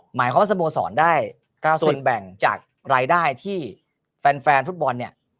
หมายความว่าสโมสรได้๙ส่วนแบ่งจากรายได้ที่แฟนฟุตบอลเนี่ย